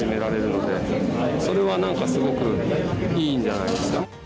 それは何かすごくいいんじゃないですか。